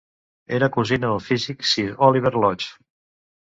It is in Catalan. Era cosina del físic Sir Oliver Lodge.